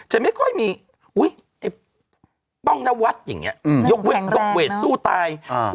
จะไม่ค่อยมีอุ้ยไอ้ป้องนวัดอย่างเงี้ยอืมยกเวทยกเวทสู้ตายอ่า